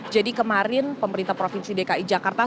jadi kemarin pemerintah provinsi dki jakarta